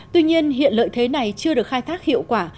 tuy nhiên hiện lợi thế này chưa được khai thác hiệu quả